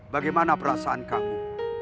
bagaimana perasaan kamu